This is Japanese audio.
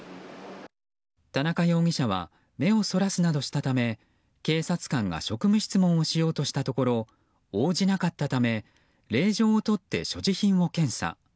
田中容疑者は目をそらすなどしたため警察官が職務質問をしようとしたところ応じなかったため令状をとって所持品を検査。